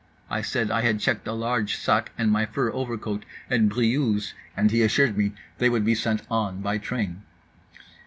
I said I had checked a large sac and my fur overcoat at Briouse, and he assured me they would be sent on by train.